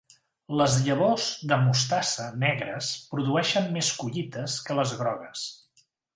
Les llavors de mostassa negres produeixen més collites que les grogues.